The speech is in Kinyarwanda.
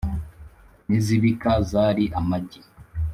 N’izibika zari amagi.